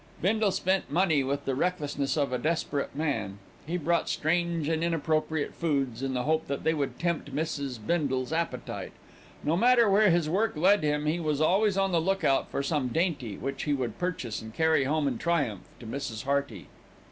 Bindle spent money with the recklessness of a desperate man. He bought strange and inappropriate foods in the hope that they would tempt Mrs. Bindle's appetite. No matter where his work led him, he was always on the look out for some dainty, which he would purchase and carry home in triumph to Mrs. Hearty.